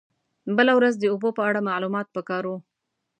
بله ورځ د اوبو په اړه معلومات په کار و.